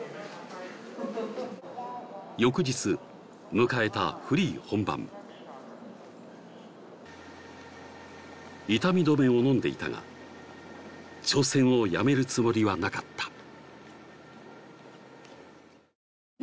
翌日迎えたフリー本番痛み止めを飲んでいたが挑戦をやめるつもりはなかった